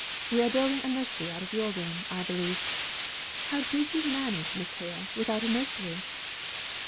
We are building a nursery out of your room, I believe. How did you manage, Miss Hale, without a nursery?"